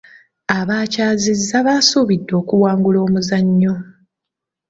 Abaakyazizza baasuubidde okuwangula omuzannyo.